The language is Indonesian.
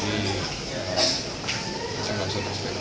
jadi saya mohon maaf saya berharap untuk berjaya